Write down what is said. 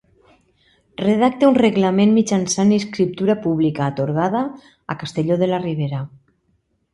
Redacte un reglament mitjançant escriptura pública, atorgada a Castelló de la Ribera.